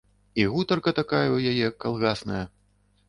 І гутарка такая ў яе, калгасная.